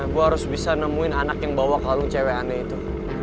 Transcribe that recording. gue harus bisa nemuin anak yang bawa kalung cewek anda itu